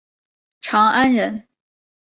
长安人。